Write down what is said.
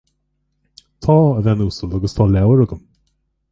Tá, a bhean uasal, agus tá leabhar agam